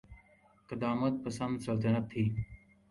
قدامت پسند سلطنت تھی۔